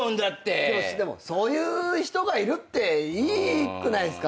でもそういう人がいるっていくないですか？